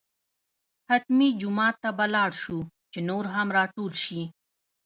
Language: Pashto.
حتمي جومات ته به لاړ شو چې نور هم راټول شي.